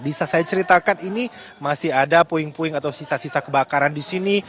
bisa saya ceritakan ini masih ada puing puing atau sisa sisa kebakaran di sini